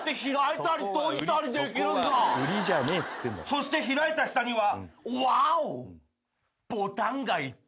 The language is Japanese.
そして開いた下には。